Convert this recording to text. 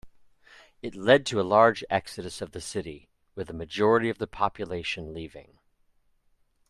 It led to a large exodus of the city, with a majority of the population leaving.